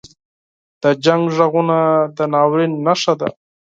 • د جنګ ږغونه د ناورین نښه ده.